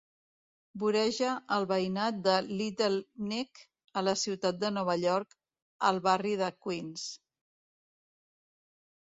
Voreja el veïnat de Little Neck a la ciutat de Nova York al barri de Queens.